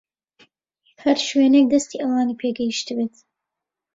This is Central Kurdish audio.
هەر شوێنێک دەستی ئەوانی پێگەیشتبێت